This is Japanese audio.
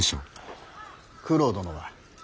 九郎殿は。